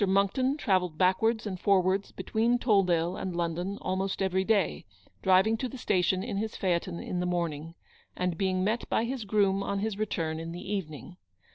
Monckton travelled backwards and for wards between Tolldale and London almost every day, driving to the station in his phaeton in the morning, and being met by his groom on his return in the evening.